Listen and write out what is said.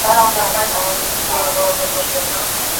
আমাদের দুপুরের খাবার দরকার, তাই না?